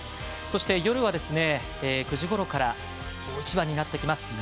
そして夜は９時ごろから大一番になってきます